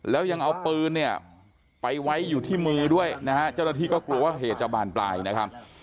แล้วยังเอาปืนเนี่ยไปไว้อยู่ที่มือด้วยนะฮะเจ้าหน้าที่ก็กลัวว่าเหตุจะบานปลายนะครับ